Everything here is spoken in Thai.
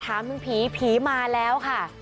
ถามถึงผีผีมาแล้วค่ะ